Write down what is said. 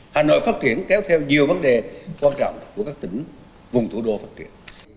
hà nội phát triển kéo theo nhiều vấn đề quan trọng của các tỉnh vùng thủ đô phát triển